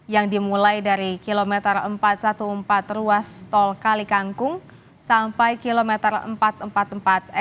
yang dimulai dari kili kangkung ke jati ngalih kota semarang